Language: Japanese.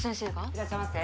いらっしゃいませ